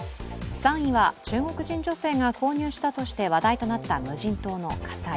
３位は、中国人女性が購入したとして話題となった無人島の火災。